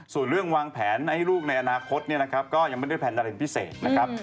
ส่วนเรื่องวางแผนให้ลูกในอนาคตยังไม่ได้แผนอะไรพิเศษนะครับ